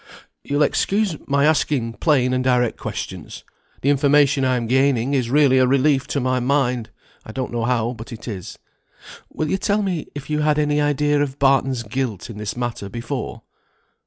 "You'll excuse my asking plain and direct questions; the information I am gaining is really a relief to my mind, I don't know how, but it is, will you tell me if you had any idea of Barton's guilt in this matter before?"